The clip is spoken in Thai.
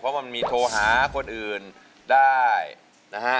เพราะมันมีโทรหาคนอื่นได้นะฮะ